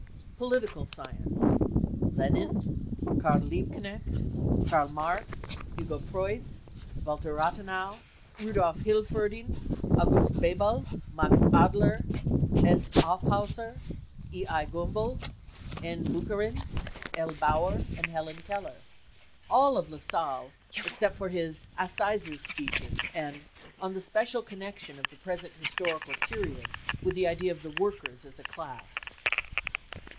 Political Science : Lenin, Karl Liebknecht, Karl Marx, Hugo Preuss, Walter Rathenau, Rudolf Hilferd ing, August Bebel, Max Adler, S. Aufhausser, E. I. Gumbel, N. Bucharin, L. Bauer and Helen Keller, All of Lassalle, except his Assizes Speeches and On the special connection of the present Historical Period with the idea of the Workers as a Class